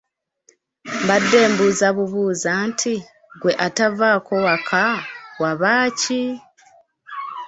Mbadde mbuuza bubuuza nti ggwe atavaako waka wabaaki?